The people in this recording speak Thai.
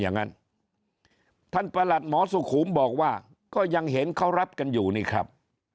อย่างนั้นท่านประหลัดหมอสุขุมบอกว่าก็ยังเห็นเขารับกันอยู่นี่ครับ